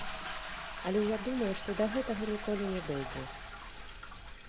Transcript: Але я думаю, што да гэтага ніколі не дойдзе.